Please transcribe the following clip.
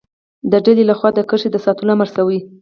د ډلې له خوا د کرښې د ساتلو امر شوی.